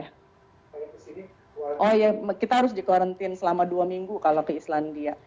oh ya kita harus di quarantine selama dua minggu kalau ke islandia